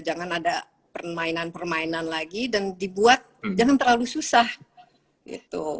jangan ada permainan permainan lagi dan dibuat jangan terlalu susah gitu